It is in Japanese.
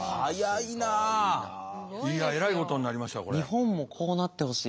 日本もこうなってほしい。